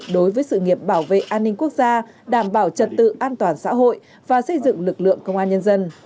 đối với sự nghiệp bảo vệ an ninh quốc gia đảm bảo trật tự an toàn xã hội và xây dựng lực lượng công an nhân dân